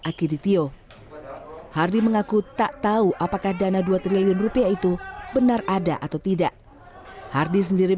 akiditio hardi mengaku tak tahu apakah dana dua triliun rupiah itu benar ada atau tidak hardi sendiri